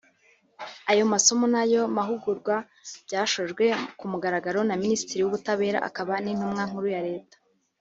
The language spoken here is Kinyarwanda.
Ayo masomo n’ayo mahugurwa byashojwe ku mugaragaro na Minisitiri w’Ubutabera akaba n’Intumwa Nkuru ya Leta